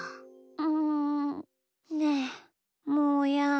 んねえもーやん。